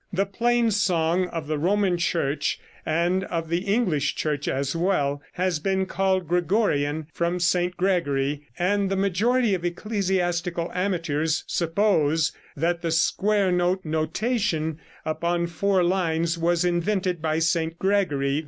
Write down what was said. The Plain Song of the Roman Church, and of the English Church as well, has been called Gregorian, from St. Gregory, and the majority of ecclesiastical amateurs suppose that the square note notation upon four lines was invented by St. Gregory.